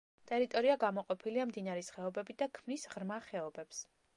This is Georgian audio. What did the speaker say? ტერიტორია გამოყოფილია მდინარის ხეობებით და ქმნის ღრმა ხეობებს.